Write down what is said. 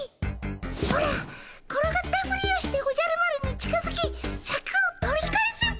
オラ転がったふりをしておじゃる丸に近づきシャクを取り返すっ